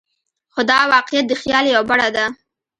خو دا واقعیت د خیال یوه بڼه ده.